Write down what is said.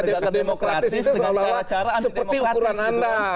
demokratis itu seolah olah seperti ukuran anda